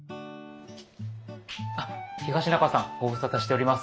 東仲さんご無沙汰しております。